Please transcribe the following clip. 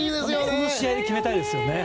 この試合で決めたいですよね